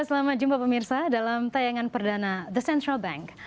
selamat datang di tayangan perdana the central bank